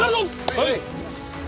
はい！